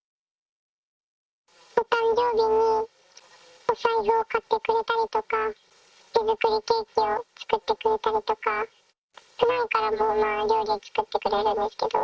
お誕生日にお財布を買ってくれたりとか、手作りケーキを作ってくれたりとか、ふだんからも料理を作ってくれるんですけど。